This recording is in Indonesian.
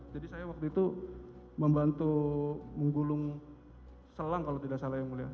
jadi saya waktu itu membantu menggulung selang kalau tidak salah ya mulia